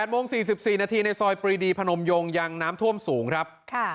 โมง๔๔นาทีในซอยปรีดีพนมยงยังน้ำท่วมสูงครับ